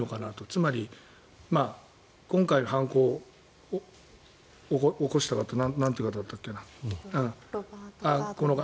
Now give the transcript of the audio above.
つまり、今回の犯行起こした方なんていう方だったかな。